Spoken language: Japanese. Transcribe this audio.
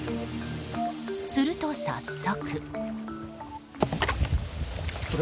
すると、早速。